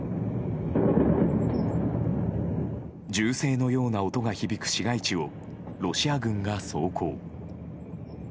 銃声のような音が響く市街地をロシア軍が走行。